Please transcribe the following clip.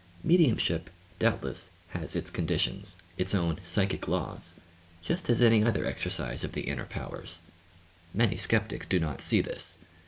Mediumship, doubtless, has its "con ditions" — its own psychic laws — just as any other ex ercise of the inner powers. Many sceptics do not see this.